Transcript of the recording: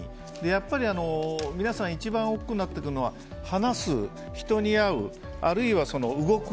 やっぱり皆さん一番おっくうになってくるのは話す、人に会う、あるいは動く。